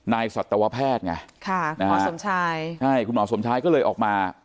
สัตวแพทย์ไงค่ะหมอสมชายใช่คุณหมอสมชายก็เลยออกมา